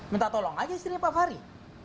minta tolong aja istrinya pak fahri